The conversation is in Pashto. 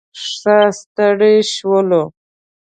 ښه ستړي شولو.